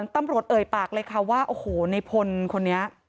เอ่ยปากเลยค่ะว่าโอ้โหในพลคนนี้